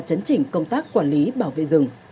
cấn chỉnh công tác quản lý bảo vệ rừng